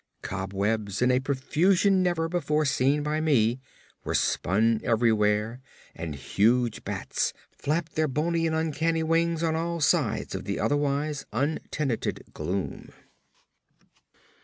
Cobwebs in a profusion never before seen by me were spun everywhere, and huge bats flapped their bony and uncanny wings on all sides of the otherwise untenanted gloom.